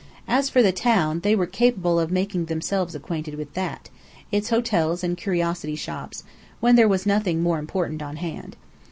As for the town, they were capable of making themselves acquainted with that, its hotels and curiosity shops, when there was nothing more important on hand.